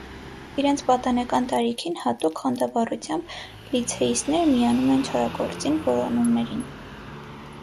Իրենց պատանեկան տարիքին հատուկ խանդավառությամբ լիցեիստները միանում են չարագործին որոնումներին։